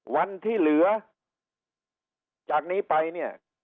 วันที่เหลือจากนี้ไปเนี่ย